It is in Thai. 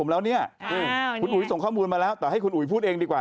จะให้คุณอุ๋ยกับคุณมิวตามต่อหรือหรือหว่า